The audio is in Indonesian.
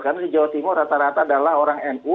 karena di jawa timur rata rata adalah orang nu